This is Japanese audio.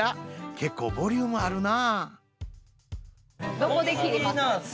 結構ボリュームあるな。